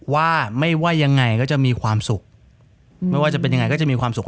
ว่าไม่ว่ายังไงก็จะมีความสุขไม่ว่าจะเป็นยังไงก็จะมีความสุข